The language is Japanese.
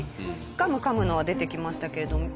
ガム噛むのは出てきましたけれども。